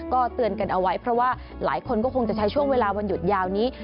ก็เตือนกันเอาไว้เพราะว่าหลายคนก็คงจะใช้ช่วงเวลาวันหยุดยาวนี้